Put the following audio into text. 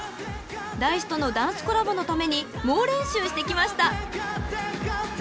［Ｄａ−ｉＣＥとのダンスコラボのために猛練習してきました］